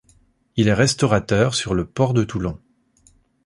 Il est restaurateur sur le port de Toulon.